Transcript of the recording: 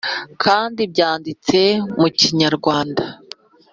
kandi byandtse mu kinyarwanda